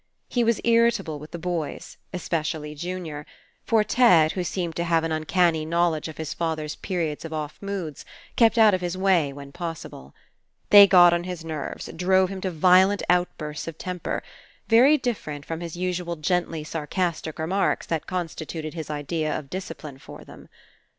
He was irritable with the boys, espe cially Junior, for Ted, who seemed to have an uncanny knowledge of his father's periods of off moods, kept out of his way when possible. They got on his nerves, drove him to violent outbursts of temper, very different from his usual gently sarcastic remarks that constituted his idea of discipline for them.